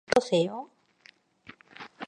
좀 어떠세요?